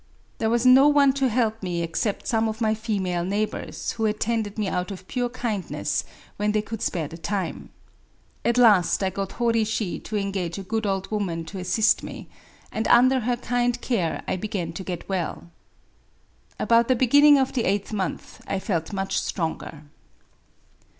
There was no one to help me except some of my female neighbours, who attended me out of pure kindness, when they could spare the time. At last I got Hori Shi to engage a good old woman to assist me; and under her kind care I began to get well. About the begin ning of the eighth month I felt much stronger.